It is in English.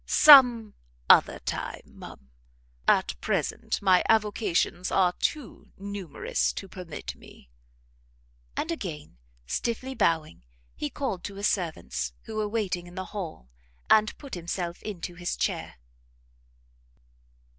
"Some other time, ma'am; at present my avocations are too numerous to permit me." And again, stiffly bowing, he called to his servants, who were waiting in the hall, and put himself into his chair.